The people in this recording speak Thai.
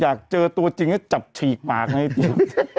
อยากเจอตัวจริงให้จับฉีกปากให้จริง